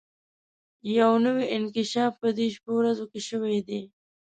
يو نوی انکشاف په دې شپو ورځو کې شوی دی.